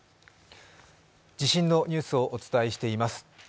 地震のニュースをお伝えしています。